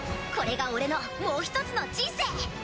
これが俺のもう一つの人生。